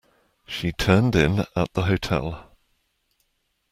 She turned in at the hotel.